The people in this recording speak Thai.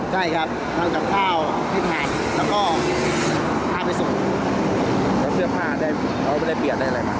ใช่ครับทำกับข้าวที่ทานแล้วก็พาไปส่งแล้วเสื้อผ้าเขาไม่ได้เปลี่ยนได้อะไรมา